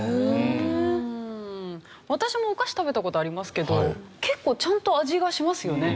私もお菓子食べた事ありますけど結構ちゃんと味がしますよね。